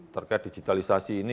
terkait digitalisasi ini